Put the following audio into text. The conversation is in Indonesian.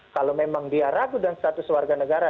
kalau memang dia ragu dan status warga negara